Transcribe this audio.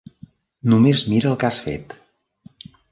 Només mira el que has fet.